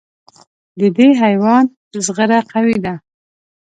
د دې حیوان زغره قوي ده.